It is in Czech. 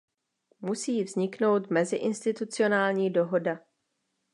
Musí vzniknout meziinstitucionální dohoda.